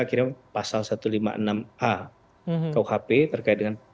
akhirnya pasal satu ratus lima puluh enam a kuhp terkait dengan